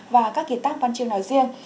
và các kỳ tác văn triều nói riêng